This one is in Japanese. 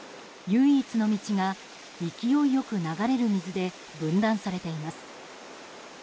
唯一の道が勢いよく流れる水で分断されています。